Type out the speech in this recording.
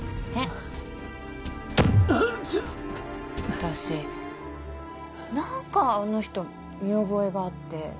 私何かあの人見覚えがあって。